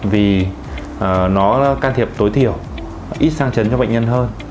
vì nó can thiệp tối thiểu ít sang chấn cho bệnh nhân hơn